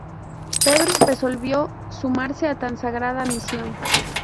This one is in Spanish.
Pedro resolvió sumarse a tan sagrada misión.